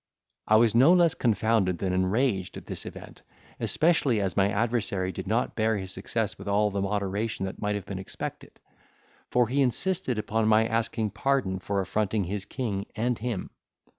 I was no less confounded than enraged at this event, especially as my adversary did not bear his success with all the moderation that might have been expected; for he insisted upon my asking pardon for affronting his king and him.